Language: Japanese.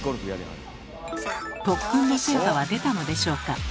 特訓の成果は出たのでしょうか？